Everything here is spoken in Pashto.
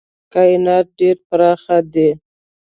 کاینات ډېر پراخ دي.